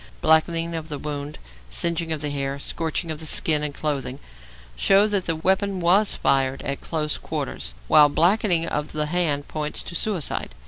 Blackening of the wound, singeing of the hair, scorching of the skin and clothing, show that the weapon was fired at close quarters, whilst blackening of the hand points to suicide.